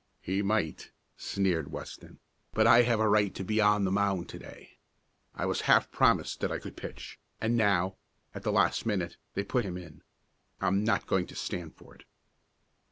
"He might," sneered Weston, "but I have a right to be on the mound to day. I was half promised that I could pitch, and now, at the last minute, they put him in. I'm not going to stand for it!"